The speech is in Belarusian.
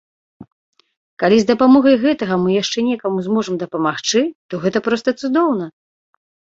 Калі з дапамогай гэтага мы яшчэ некаму зможам дапамагчы, то гэта проста цудоўна!